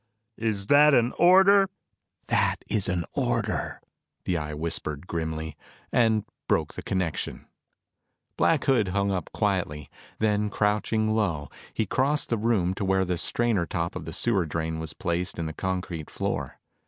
"Is that an order?" "That is an order," the Eye whispered grimly, and broke the connection. Black Hood hung up quietly. Then crouching low, he crossed the room to where the strainer top of the sewer drain was placed in the concrete floor.